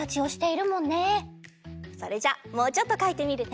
それじゃもうちょっとかいてみるね。